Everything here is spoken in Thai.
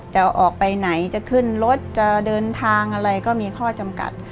จะออกไปไหนจะขึ้นรถจะเดินทางอะไรก็มีข้อจำกัด